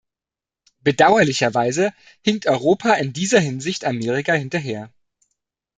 Bedauerlicherweise hinkt Europa in dieser Hinsicht Amerika hinterher.